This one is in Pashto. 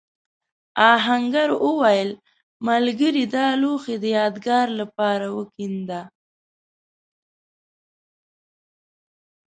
آهنګر وویل ملګري دا لوښی د یادگار لپاره وکېنده.